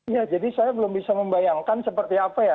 ya jadi saya belum bisa membayangkan seperti apa ya